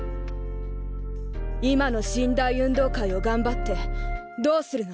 今の神・大運動会を頑張ってどうするの？